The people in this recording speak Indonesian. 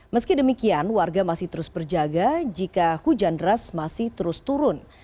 meski demikian warga masih terus berjaga jika hujan deras masih terus turun